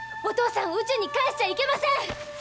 お父さんを宇宙に返しちゃいけません！